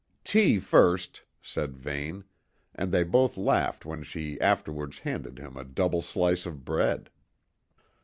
"Tea first," said Vane, and they both laughed when she afterwards handed him a double slice of bread.